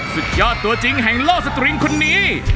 สุดยอดตัวจริงแห่งโลกสตริงคนนี้